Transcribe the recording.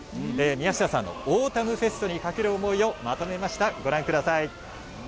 宮下さんのオータムフェストにかける思いまとめました。